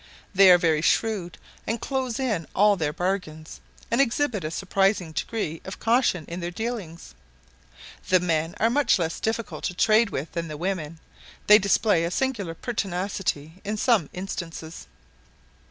They are very shrewd and close in all their bargains, and exhibit a surprising degree of caution in their dealings. The men are much less difficult to trade with than the women: they display a singular pertinacity in some instances.